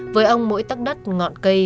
với ông mỗi tắc đất ngọn cây